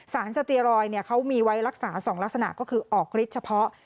สเตียรอยด์เขามีไว้รักษา๒ลักษณะก็คือออกฤทธิ์เฉพาะ